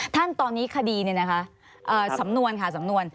ท่านตอนนี้คดีเนี่ยนะคะสำนวนค่ะสำนวน